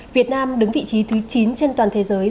việt nam đứng vị trí thứ chín trên toàn thế giới